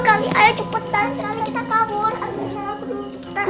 kali ayo cepetan kita kabur